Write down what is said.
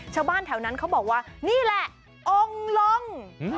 ชาวบ้านแถวนั้นเขาบอกว่านี่แหละองค์ลง